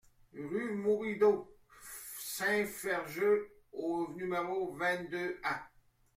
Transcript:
Rue Miroudot Saint-Ferjeux au numéro vingt-deux A